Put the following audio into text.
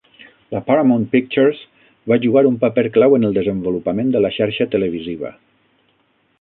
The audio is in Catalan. La Paramount Pictures va jugar un paper clau en el desenvolupament de la xarxa televisiva.